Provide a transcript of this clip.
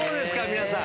皆さん。